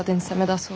そう。